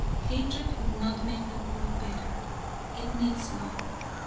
Hatred will not make the world better; it needs love.